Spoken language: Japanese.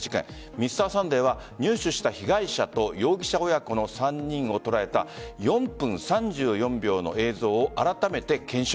「Ｍｒ．サンデー」は入手した被害者と容疑者親子の３人を捉えた４分３４秒の映像をあらためて検証。